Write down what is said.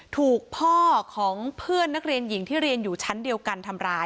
ถูกพ่อของเพื่อนนักเรียนหญิงที่เรียนอยู่ชั้นเดียวกันทำร้าย